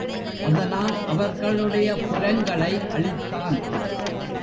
அதனால் அவர்களுடைய புரங்களை அழித்தான்.